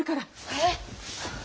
えっ？